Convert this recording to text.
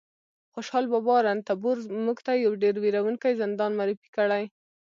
خوشحال بابا رنتنبور موږ ته یو ډېر وېروونکی زندان معرفي کړی دی